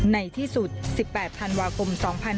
ในที่สุด๑๘ธันวาคม๒๕๖๒